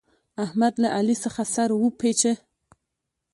احمد له علي څخه سر وپېچه.